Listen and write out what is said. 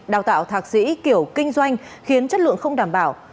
đào tạo thạc sĩ kiểu kinh doanh khiến chất lượng không đảm bảo